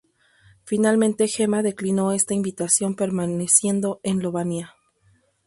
Finalmente Gemma declinó esta invitación permaneciendo en Lovaina.